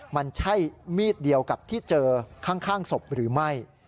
มันใช่มีดเดียวกับที่เจอข้างศพหรือไม่